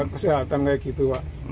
kesehatan kayak gitu